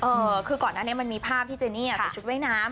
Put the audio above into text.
เออคือก่อนหน้านี้มันมีภาพที่เจนี่ใส่ชุดว่ายน้ำ